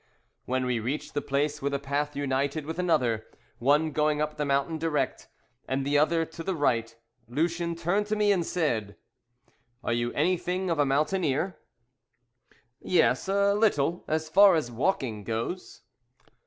When we reached the place where the path united with another one going up the mountain direct, and the other to the right, Lucien turned to me and said "Are you anything of a mountaineer?" "Yes, a little, as far as walking goes."